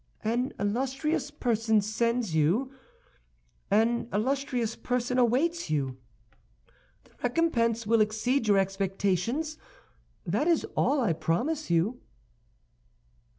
"An illustrious person sends you; an illustrious person awaits you. The recompense will exceed your expectations; that is all I promise you."